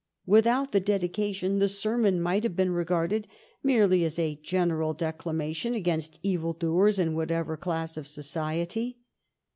Without the dedication the sermon might have been regarded merely as a general declamation against evil doers in whatever class of society.